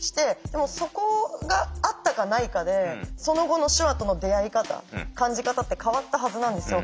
でもそこがあったかないかでその後の手話との出会い方感じ方って変わったはずなんですよ。